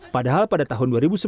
padahal pada tahun dua ribu sembilan